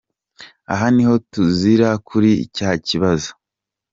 Aha niho tuzira kuri cya kibazo.